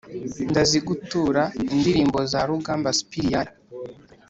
Ndazigutura indirimbo za rugamba sipiriyani